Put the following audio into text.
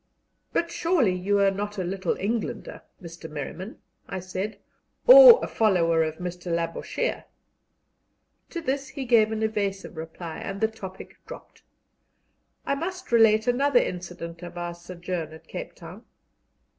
"But surely you are not a Little Englander, Mr. Merriman," I said, "or a follower of Mr. Labouchere?" To this he gave an evasive reply, and the topic dropped. I must relate another incident of our sojourn at Cape Town.